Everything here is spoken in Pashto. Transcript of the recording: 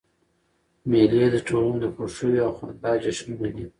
مېلې د ټولني د خوښیو او خندا جشنونه دي.